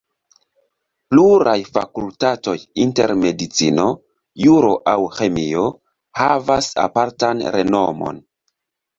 Pluraj fakultatoj, inter medicino, juro aŭ ĥemio, havas aparte bonan renomon.